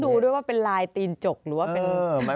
ดูด้วยว่าเป็นลายตีนจกหรือว่าเป็น